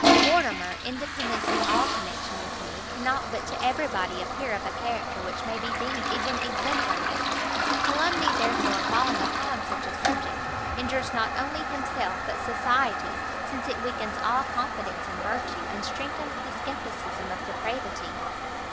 Mortimer, independent of all connection with me, cannot but to every body appear of a character which may be deemed even exemplary; calumny, therefore, falling upon such a subject, injures not only himself but society, since it weakens all confidence in virtue, and strengthens the scepticism of depravity."